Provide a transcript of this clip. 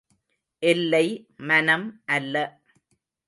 எல்லை, மனம் அல்ல!